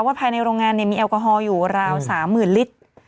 ภายในโรงงานมีแอลกอฮอลอยู่ราว๓๐๐๐ลิตร